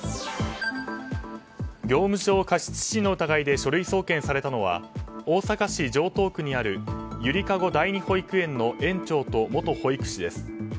業務上過失致死の疑いで書類送検されたのは大阪市城東区にあるゆりかご第二保育園の園長と元保育士です。